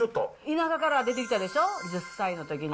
田舎から出てきたでしょう、１０歳のときに。